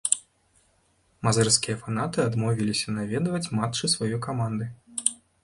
Мазырскія фанаты адмовіліся наведваць матчы сваёй каманды.